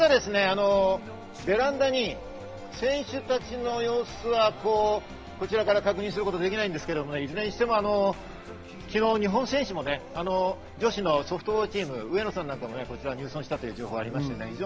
ベランダに選手たちの様子はこちらから確認することができないんですけど、いずれにしても昨日、日本選手も女子のソフトボールチーム・上野さんなどが入村したという情報がありました。